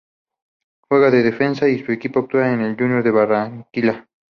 Juega de defensa y su equipo actual es el Junior de barranquilla